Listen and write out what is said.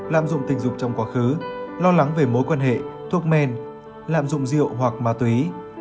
lạm dụng tình dục trong quá khứ lo lắng về mối quan hệ thuốc men lạm dụng rượu hoặc ma túy